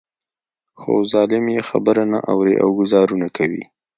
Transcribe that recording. خو ظالم يې خبره نه اوري او ګوزارونه کوي.